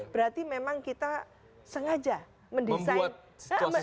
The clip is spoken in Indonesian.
berarti memang kita sengaja mendesain